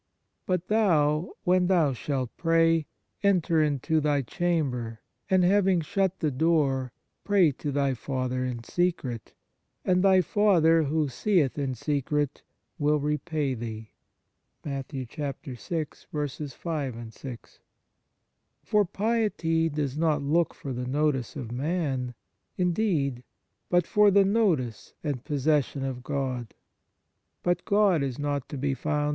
But thou when thou shalt pray, enter into thy chamber, and having shut the door, pray to thy Father in secret : and thy Father who seeth in secret will repay thee." * For piety does not look for the notice of man, indeed, but for the notice and possession of God. But God is not to be found in * Matt.